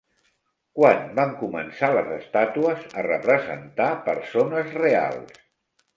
Quan van començar les estàtues a representar persones reals?